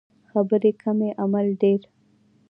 خبرې کمې عمل ډیر